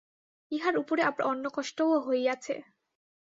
ইহার উপরে আবার অন্নকষ্টও হইয়াছে।